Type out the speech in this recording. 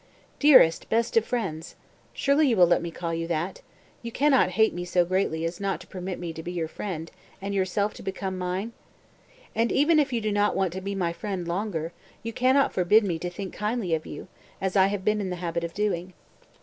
194. "Dearest, best of friends!" "Surely you will let me call you that? You can not hate me so greatly as not to permit me to be your friend, and yourself to become mine? And even if you do not want to be my friend longer, you can not forbid me to think kindly of you as I have been in the habit of doing.